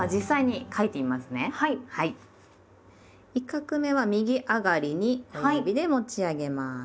１画目は右上がりに親指で持ち上げます。